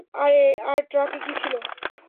আর ট্রাকে কী ছিল?